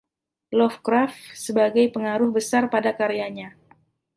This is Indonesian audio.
Lovecraft sebagai pengaruh besar pada karyanya.